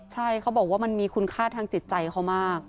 ใช่เขาบอกว่ามันมีคุณค่าทางจิตใจเขามาก